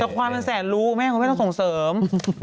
แต่ควายมันแสนรู้แม่คุณแม่ต้องส่งเสริม